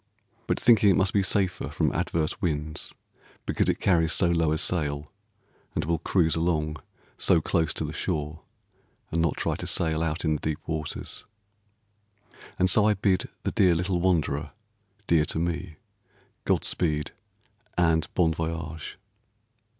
But thinking it must be safer from adverse winds because it carries so low a sail, and will cruise along so close to the shore and not try to sail out in the deep waters. And so I bid the dear little wanderer (dear to me), God speed, and bon voyage.